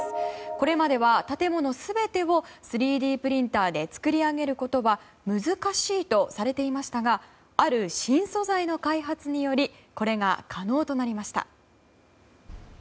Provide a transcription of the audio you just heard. これまでは建物全てを３Ｄプリンターで作り上げることは難しいとされていましたがある新素材の開発によりこれが可能となりました。